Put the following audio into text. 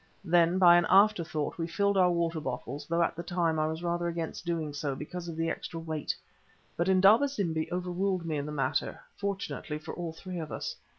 Then, by an afterthought, we filled our water bottles, though at the time I was rather against doing so, because of the extra weight. But Indaba zimbi overruled me in the matter, fortunately for all three of us.